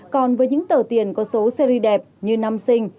còn với những tờ tiền có số series đẹp như năm sinh